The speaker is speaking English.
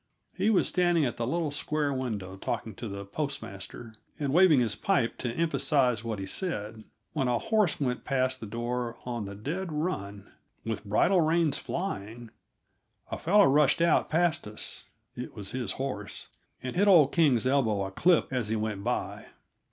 He was standing at the little square window, talking to the postmaster and waving his pipe to emphasize what he said, when a horse went past the door on the dead run, with bridle reins flying. A fellow rushed out past us it was his horse and hit old King's elbow a clip as he went by.